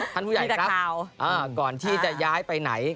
ท่านผู้ใหญ่ครับก่อนที่จะย้ายไปไหน